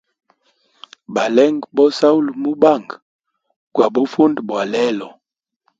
Balenge bo sahula mubanga gwa bufundi bwa lelo.